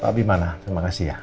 pak bimana terima kasih ya